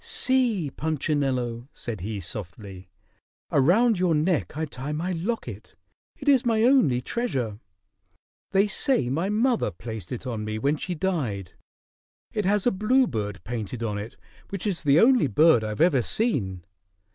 "See, Punchinello," said he softly, "around your neck I tie my locket. It is my only treasure. They say my mother placed it on me when she died. It has a bluebird painted on it which is the only bird I've ever seen.